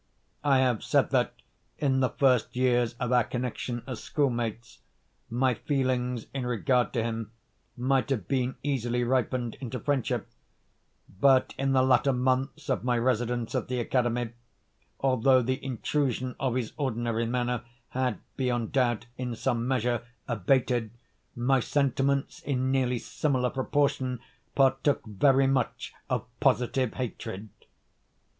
I have said that, in the first years of our connexion as schoolmates, my feelings in regard to him might have been easily ripened into friendship; but, in the latter months of my residence at the academy, although the intrusion of his ordinary manner had, beyond doubt, in some measure, abated, my sentiments, in nearly similar proportion, partook very much of positive hatred.